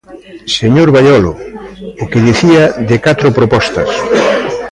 Señor Baiolo, o que dicía de catro propostas.